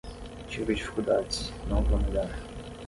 Tive dificuldades, não vou negar